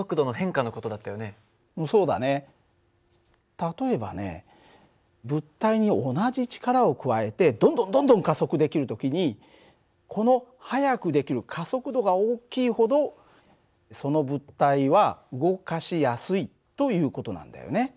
例えばね物体に同じ力を加えてどんどんどんどん加速できる時にこの速くできる加速度が大きいほどその物体は動かしやすいという事なんだよね。